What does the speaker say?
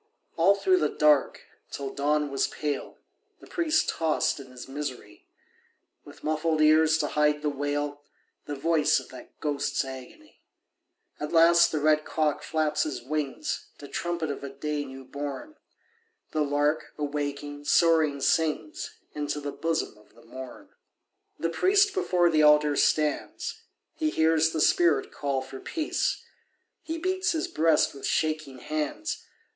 All through the dark, till dawn was pale, The priest tossed in his misery, With muffled ears to hide the wail, The voice of that ghost's agony. At last the red cock flaps his wings To trumpet of a day new born. The lark, awaking, soaring sings Into the bosom of the morn. The priest before the altar stands, He hears the spirit call for peace; He beats his breast with shaking hands.